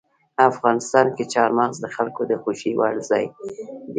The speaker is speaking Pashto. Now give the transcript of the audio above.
افغانستان کې چار مغز د خلکو د خوښې وړ ځای دی.